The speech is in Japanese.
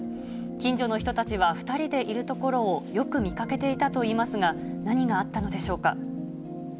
近所の人たちは、２人でいるところをよく見かけていたといいますが、何があったのでしょうか。